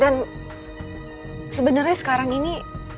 dan sebenarnya sekarang ini